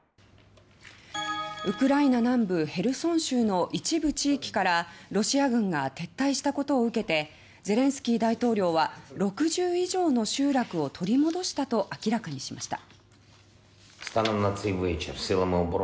ウクライナ南部ヘルソン州の一部地域からロシア軍が撤退したことを受けてゼレンスキー大統領は６０以上の集落を取り戻したと明らかにしました。